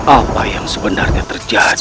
apa yang sebenarnya terjadi